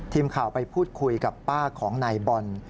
ทีมข่าวไปพูดคุยกับป้าของนายบอล